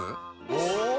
お！